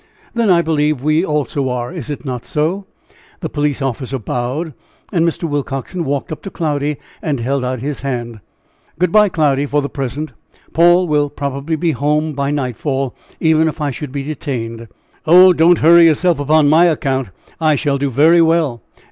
"Then, I believe, we also are is it not so?" The police officer bowed, and Mr. Willcoxen walked up to Cloudy and held out his hand. "Good by, Cloudy, for the present. Paul will probably be home by nightfall, even if I should be detained." "Oh, don't hurry yourself upon my account. I shall do very well.